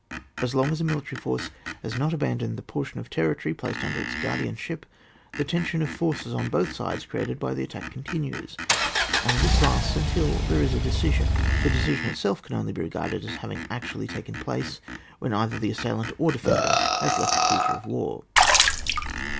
As loDg as a military force has not abandoned the portion of territory placed under its guardianship, the tension of forces on both sides created by the attack continues, and this lasts until there is a decision. The decision itself can only be regarded as having actually taken place when either the assailant or defender has left the theatre of war.